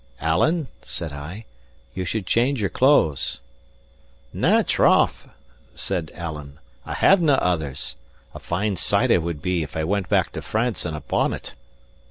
"Alan," said I, "you should change your clothes." "Na, troth!" said Alan, "I have nae others. A fine sight I would be, if I went back to France in a bonnet!"